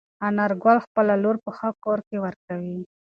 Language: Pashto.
انارګل خپله لور په ښه کور کې ورکوي.